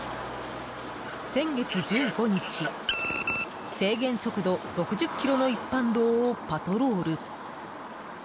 先月１５日、制限速度６０キロの一般道をパトロール。